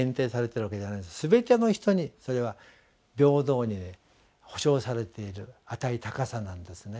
全ての人にそれは平等に保障されている値高さなんですね。